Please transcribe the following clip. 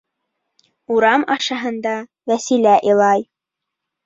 ...Урам ашаһында Вәсилә илай.